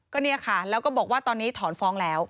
ก็เนี่ยค่ะแล้วก็บอกว่าตอนนี้ถอนฟ้องแล้ว